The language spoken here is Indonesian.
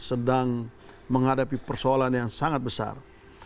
sedang menghadapi persoalan yang sangat besar